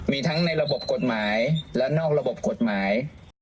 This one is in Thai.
มีทั้งในระบบกฎหมายและนอกระบบกฎหมาย